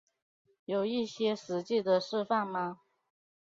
有一些实际的示范吗